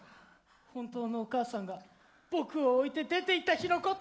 本当のお母さんが僕を置いて出ていった日のこと！